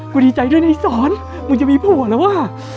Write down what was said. ดีใจด้วยนะสอนมึงจะมีผัวแล้วว่ะ